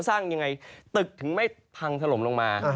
อย่างไรยังไงตึกถึงไม่พังทะลมลงมา